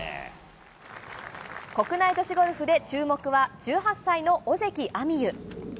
国内女子ゴルフで注目は１８歳の尾関彩美悠。